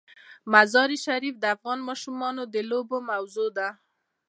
مزارشریف د افغان ماشومانو د لوبو موضوع ده.